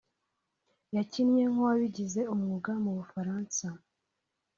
yakinnye nk’uwabigize umwuga mu Bufaransa